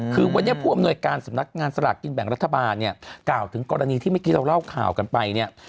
คือวันนี้ผู้อำนวยการสำนักงานสลากกินแบ่งรัฐบาลเนี่ยกล่าวถึงกรณีที่เมื่อกี้เราเล่าข่าวกันไปเนี่ย